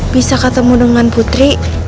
bisa ketemu dengan putri